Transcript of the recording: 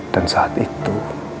dan saat itu